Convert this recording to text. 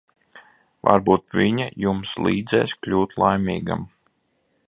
Varbūt viņa jums līdzēs kļūt laimīgam.